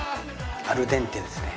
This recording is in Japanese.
アルデンテですね？